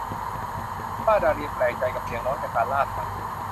คุณป้าดาเลียแปลกใจกับเสียงร้องจากการล่าสัตว์